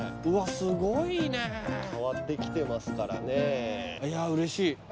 うわすごいね変わってきてますからねいや嬉しい